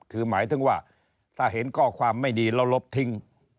คือหมายถึงว่าถ้าเห็นข้อความไม่ดีแล้วลบทิ้ง